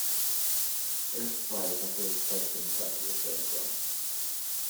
Air Safaris operates sightseeing flights at this aerodrome.